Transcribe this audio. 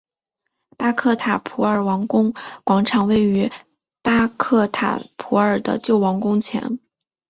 巴克塔普尔王宫广场位于巴克塔普尔的旧王宫前。